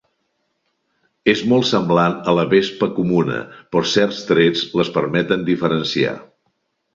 És molt semblant a la vespa comuna, però certs trets les permeten diferenciar.